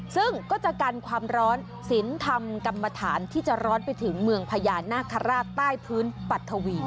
ซึ่งก็จะกันความร้อนสินธรรมกรรมฐานที่จะร้อนไปถึงเมืองพญานาคาราชใต้พื้นปัทวี